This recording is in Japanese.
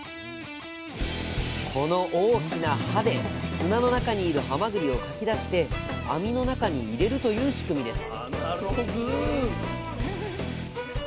この大きな刃で砂の中にいるはまぐりをかき出して網の中に入れるという仕組みです